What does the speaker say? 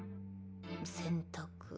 洗濯。